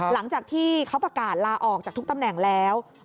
หลังจากที่เขาประกาศลาออกจากทุกตำแหน่งแล้ว